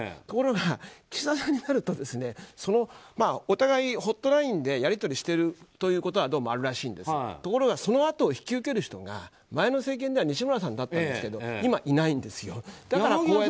ところが、岸田さんになるとお互い、ホットラインでやり取りしているということはどうもあるらしいんですがところが、そのあとを引き受ける人が前の政権では西村さんだったんですが今はいないんです。